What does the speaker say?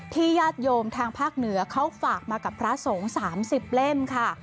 ญาติโยมทางภาคเหนือเขาฝากมากับพระสงฆ์๓๐เล่มค่ะ